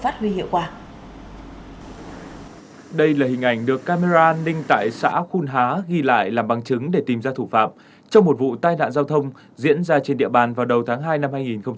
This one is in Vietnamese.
đây là hình ảnh được camera an ninh tại xã khuôn há ghi lại làm bằng chứng để tìm ra thủ phạm trong một vụ tai nạn giao thông diễn ra trên địa bàn vào đầu tháng hai năm hai nghìn hai mươi